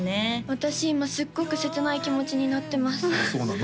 私今すっごく切ない気持ちになってますそうなの？